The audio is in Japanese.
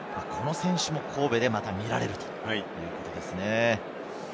この選手も神戸で見られるということですね。